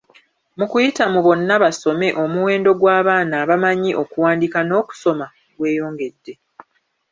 Mu kuyita mu `Bonna Basome' omuwendo gw'abaana abamanyi okuwandiika n'okusoma gweyongedde.